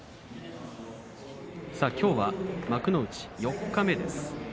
きょうは幕内四日目です。